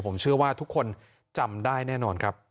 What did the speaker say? ผมเชื่อว่าทุกคนจำได้แน่นอนครับ